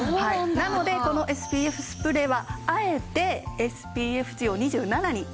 なのでこのＳＰＦスプレーはあえてＳＰＦ値を２７にとどめているんです。